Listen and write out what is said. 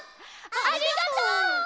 ありがとう！